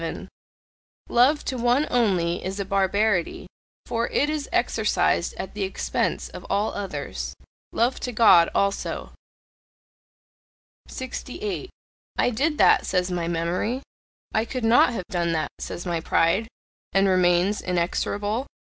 Love to one only is a barbarity, for it is exercised at the expense of all others. Love to God also! 68. "I did that," says my memory. "I could not have done that," says my pride, and remains inexorable.